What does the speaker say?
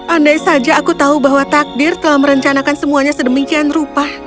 andai saja aku tahu bahwa takdir telah merencanakan semuanya sedemikian rupa